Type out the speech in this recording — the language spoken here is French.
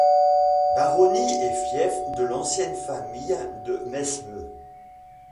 Baronnie et fief de l'ancienne famille de Mesmes.